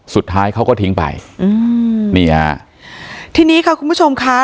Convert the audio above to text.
สุดท้ายเขาก็ทิ้งไปอืมนี่ฮะทีนี้ค่ะคุณผู้ชมค่ะ